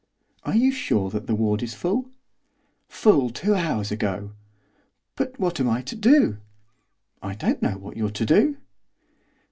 'Are you sure that the ward is full?' 'Full two hours ago!' 'But what am I to do?' 'I don't know what you're to do!